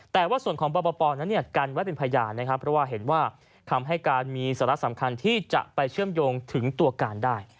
แต่ว่าส่วนของปปนั้นกันไว้เป็นพยานนะครับเพราะว่าเห็นว่าคำให้การมีสาระสำคัญที่จะไปเชื่อมโยงถึงตัวการได้